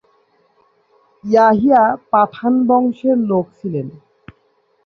ইয়াহিয়া পাঠান বংশের লোক ছিলেন।